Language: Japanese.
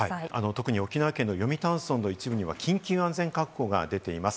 特に沖縄の読谷村の一部では緊急安全確保が出ています。